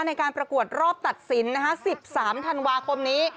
ในการประกวดรอบตัดสิน๑๓ธันวาคมนี้